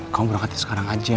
kamu berangkatnya sekarang aja